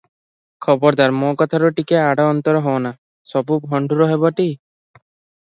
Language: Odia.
ଖବରଦାର! ମୋ କଥାରୁ ଟିକିଏ ଆଡ଼ ଅନ୍ତର ହୋ ନା, ସବୁ ଭଣ୍ଡୁର ହେବଟି?